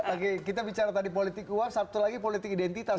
oke kita bicara tadi politik uang satu lagi politik identitas